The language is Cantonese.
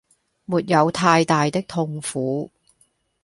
沒有太大的痛苦